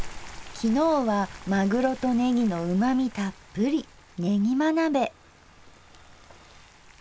昨日はマグロとネギのうまみたっぷりねぎま鍋。